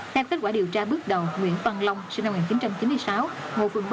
theo kết quả điều tra bước đầu nguyễn văn long sinh năm một nghìn chín trăm chín mươi sáu ngôi phường ba